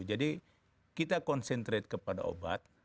jadi kita konsentrasi kepada obat